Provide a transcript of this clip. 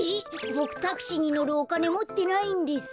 ボクタクシーにのるおかねもってないんです。